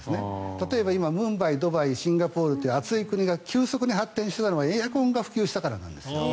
例えば今、ムンバイ、ドバイシンガポールって暑い国が急速に発展しているのはエアコンが普及したからなんです。